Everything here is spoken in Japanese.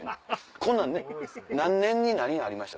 こんなんね何年に何がありました。